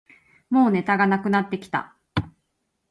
もうネタがなくなってきた